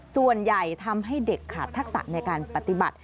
ส่วนใหญ่ทำให้เด็กขาดทักษะในการปฏิบัติ